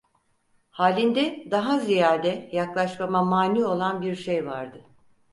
Halinde daha ziyade yaklaşmama mâni olan bir şey vardı.